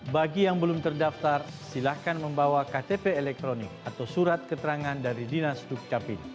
bagi yang belum terdaftar silahkan membawa ktp elektronik atau surat keterangan dari dinas dukcapil